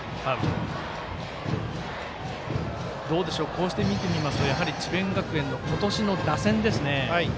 こうして見てみますと智弁学園の今年の打線ですね。